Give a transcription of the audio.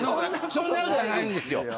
そんなことはないんですよ。